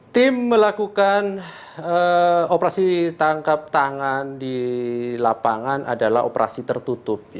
tim melakukan operasi tangkap tangan di lapangan adalah operasi tertutup